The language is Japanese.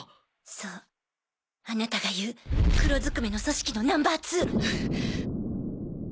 そうあなたが言う黒ずくめの組織のＮｏ．２。